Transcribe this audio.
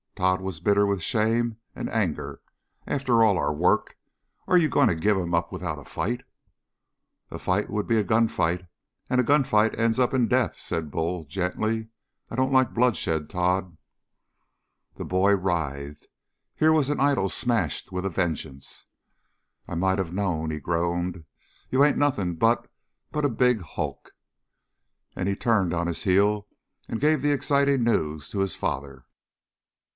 Tod was bitter with shame and anger. "After all our work, are you going to give him up without a fight?" "A fight would be a gunfight, and a gunfight ends up in a death," said Bull gently. "I don't like bloodshed, Tod!" The boy writhed. Here was an idol smashed with a vengeance! "I might of knowed!" he groaned. "You ain't nothing but but a big hulk!" And he turned on his heel and gave the exciting news to his father.